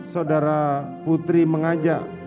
sudara putri mengajak